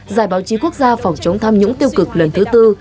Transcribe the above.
giải báo chí quốc gia phòng chống tham nhũng tiêu cực lần thứ tư